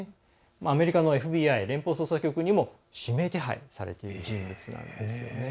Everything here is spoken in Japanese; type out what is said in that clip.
アメリカのＦＢＩ＝連邦捜査局にも指名手配されている人物なんですね。